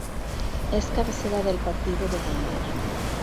Es cabecera del partido de Bolívar.